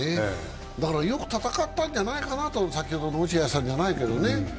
よく戦ったんじゃないかなと、先ほどの落合さんじゃないけどね。